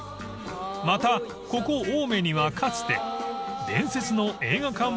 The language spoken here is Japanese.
［またここ青梅にはかつて伝説の］あっニャジラ。